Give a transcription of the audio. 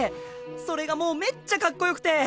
それがもうめっちゃかっこよくて！